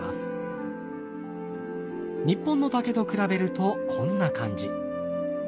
日本の竹と比べるとこんな感じ。